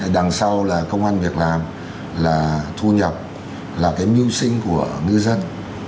đằng sau là công an việc làm là thu nhập là cái mưu sinh của ngư dân